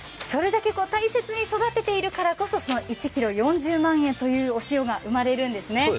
それだけ大切に育てているからこそ１ｋｇ４０万円というお塩が生まれるんですね。